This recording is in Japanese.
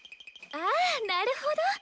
あなるほど！